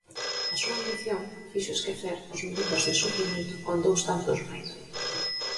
A súa ambición fixo esquecer os minutos de sufrimento con dous tantos máis.